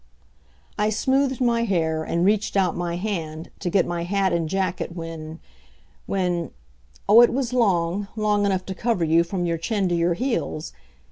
I smoothed my hair and reached out my hand to get my hat and jacket when when Oh, it was long; long enough to cover you from your chin to your heels!